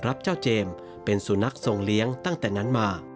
รับเจ้าเจมส์เป็นสุนัขทรงเลี้ยงตั้งแต่นั้นมา